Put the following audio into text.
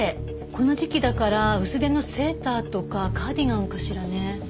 この時期だから薄手のセーターとかカーディガンかしらね。